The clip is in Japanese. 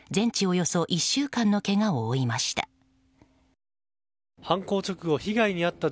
およそ１週間のけがを負いました。